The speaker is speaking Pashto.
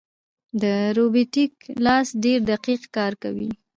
دا روبوټیک لاس ډېر دقیق کار کوي.